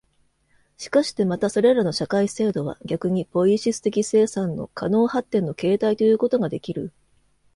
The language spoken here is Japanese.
しかしてまたそれらの社会制度は逆にポイエシス的生産の可能発展の形態ということができる、